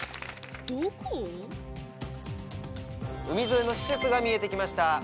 海沿いの施設が見えて来ました。